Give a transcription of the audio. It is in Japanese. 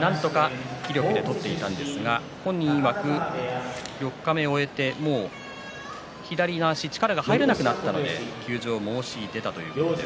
なんとか気力で取っていたんですが本人いわく四日目を終えて左の足、力が入らなくなったので休場を申し出たということです。